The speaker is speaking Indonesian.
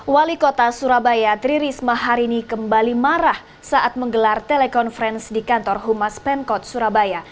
wali kota surabaya tri risma hari ini kembali marah saat menggelar telekonferensi di kantor humas pemkot surabaya